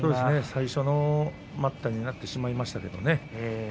最初、待ったになってしまいましたけれどもね。